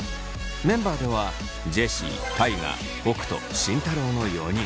メンバーではジェシー大我北斗慎太郎の４人。